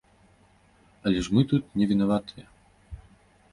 Але ж мы тут не вінаватыя!